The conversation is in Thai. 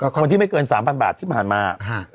คนที่ไม่เกิน๓๐๐บาทที่ผ่านมา